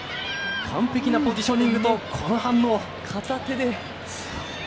完璧なポジショニングと片手で。